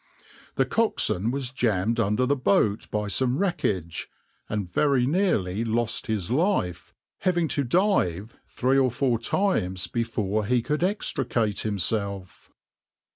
The coxswain was jammed under the boat by some wreckage, and very nearly lost his life, having to dive three or four times before he could extricate himself.